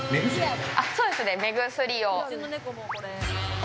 そうですね、目薬を。